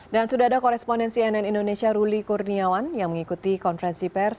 dan sudah ada koresponen cnn indonesia ruli kurniawan yang mengikuti konferensi pers